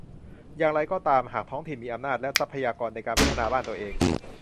อย่างไรก็ตามหากท้องถิ่นมีอำนาจ และ ทรัพยากรในการพัฒนาบ้านตัวเอง